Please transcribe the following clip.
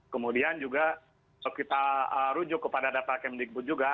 kemudian juga kalau kita rujuk kepada data kemdikbud juga